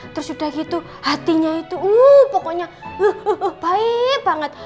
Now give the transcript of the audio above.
terus sudah gitu hatinya itu pokoknya baik banget